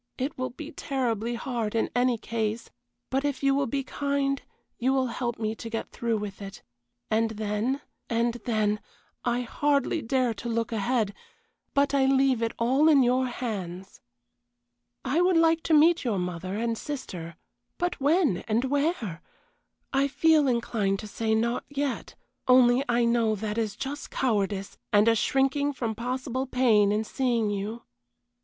It will be terribly hard in any case, but if you will be kind you will help me to get through with it, and then, and then I hardly dare to look ahead but I leave it all in your hands. I would like to meet your mother and sister but when, and where? I feel inclined to say, not yet, only I know that is just cowardice, and a shrinking from possible pain in seeing you.